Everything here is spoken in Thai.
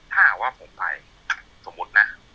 ถ้าหากว่าผมไปสมมุตินะ